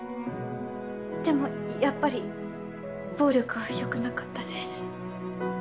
でもやっぱり暴力はよくなかったです。